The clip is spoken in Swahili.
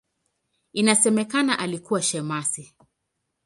Inasemekana alikuwa shemasi.